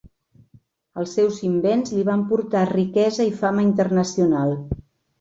Els seus invents li van portar riquesa i fama internacional.